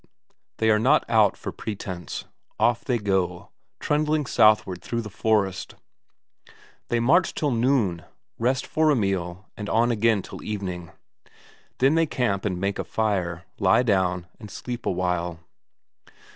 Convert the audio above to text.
They are not out for pretence. Off they go, trundling southward through the forest. They march till noon, rest for a meal and on again till evening. Then they camp and make a fire, lie down, and sleep a while.